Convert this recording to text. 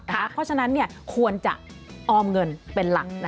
เพราะฉะนั้นควรจะออมเงินเป็นหลัก